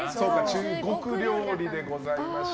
中国料理でございました。